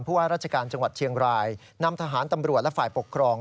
ว่าราชการจังหวัดเชียงรายนำทหารตำรวจและฝ่ายปกครอง